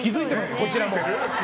こちらも。